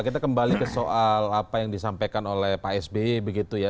kita kembali ke soal apa yang disampaikan oleh pak sby begitu ya